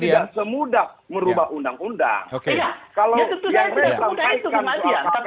tidak meralat ucapannya